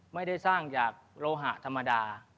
ไม่ได้สร้างจากโลหะธรรมดา